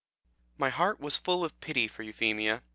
My heart was full of pity for Euphemia.